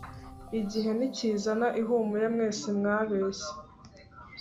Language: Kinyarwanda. igihe ntikizana ihumure; mwese mwabeshye